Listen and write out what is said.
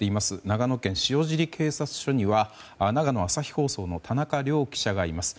長野県塩尻警察署には長野朝日放送の田中亮記者がいます。